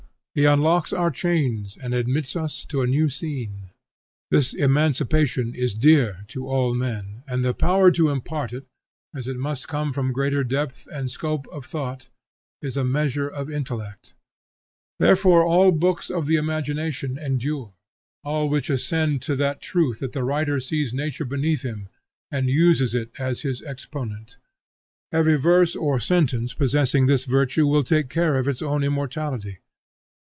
He unlocks our chains and admits us to a new scene. This emancipation is dear to all men, and the power to impart it, as it must come from greater depth and scope of thought, is a measure of intellect. Therefore all books of the imagination endure, all which ascend to that truth that the writer sees nature beneath him, and uses it as his exponent. Every verse or sentence possessing this virtue will take care of its own immortality.